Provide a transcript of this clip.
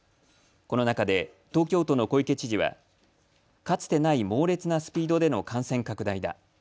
この中で東京都の小池知事はかつてない猛烈なスピードでの感染拡大だ。